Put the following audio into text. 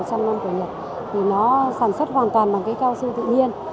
trong một trăm linh năm của nhật nó sản xuất hoàn toàn bằng keo sư tự nhiên